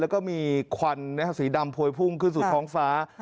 แล้วก็มีควันสีดำพวยพุ่งขึ้นสู่ท้องฟ้า